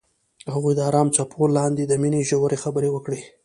هغوی د آرام څپو لاندې د مینې ژورې خبرې وکړې.